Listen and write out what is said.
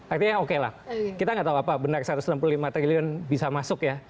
artinya oke lah kita nggak tahu apa benar satu ratus enam puluh lima triliun bisa masuk ya